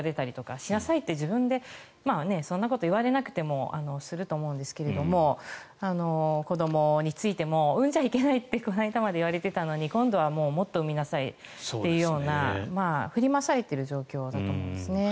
しなさいって自分でそんなこと言われなくてもすると思うんですが子どもについても産んじゃいけないとこの間まで言われていたのに今度はもうもっと産みなさいというような振り回されている状況だと思うんですね。